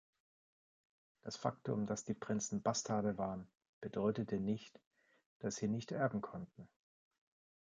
Das Faktum, dass die Prinzen Bastarde waren, bedeutete nicht, dass sie nicht erben konnten.